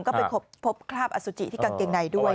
ก็ไปพบคราบอสุจิที่กางเกงในด้วย